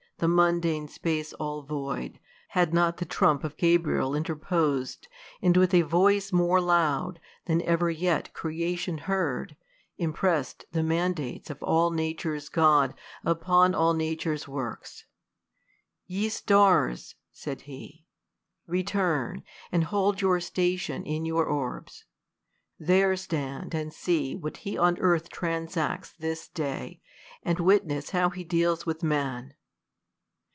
256 The mundane space all void, had not the trump Of Gabriel interpos'd, and with a voice More loud, than ever yet creation heard, Impress'd the mandates of all nature's God Upon all nature's works. Ye stars ! (said he) Return, and hold yonr station in your ©rbs ; There stand and see what fie on eartli transacts Tliis day, and witness how He deals with man.